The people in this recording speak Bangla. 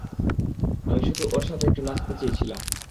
আমি শুধু ওর সাথে একটু নাচতে চেয়েছিলাম।